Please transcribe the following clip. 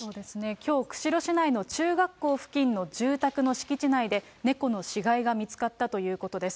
きょう、釧路市内の中学校付近の住宅の敷地内で、猫の死骸が見つかったということです。